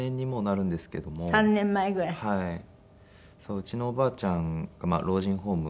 うちのおばあちゃんが老人ホームに行って。